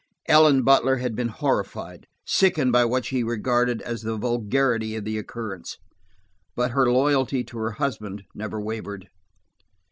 Ellen Butler had been horrified, sickened by what she regarded as the vulgarity of the occurrence. But her loyalty to her husband never wavered.